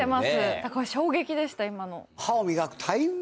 だから衝撃でした今の。